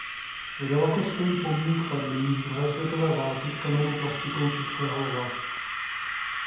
Nedaleko stojí pomník padlým z druhé světové války s kamennou plastikou českého lva.